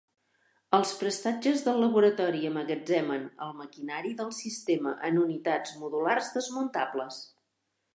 Els prestatges del laboratori emmagatzemen el maquinari del sistema en unitats modulars desmuntables.